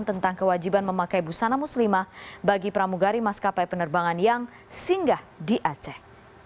tentang kewajiban memakai busana muslimah bagi pramugari maskapai penerbangan yang singgah di aceh